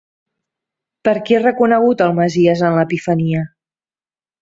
Per qui és reconegut el Messies en l'Epifania?